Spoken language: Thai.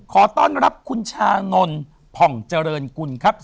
ขอต้อนรับคุณชานนท์ผ่องเจริญกุลครับ